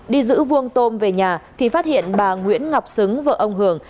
đi giữ vuông tôm về nhà thì phát hiện bà nguyễn ngọc xứng vợ ông hường